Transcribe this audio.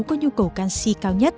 có nhu cầu canxi cao nhất